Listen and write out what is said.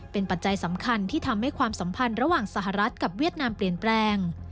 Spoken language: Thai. เป็นปัจจัยสำคัญที่ทำให้ความสัมพันธ์ระหว่างสหรัฐกับเวียดนามเปลี่ยนแปลง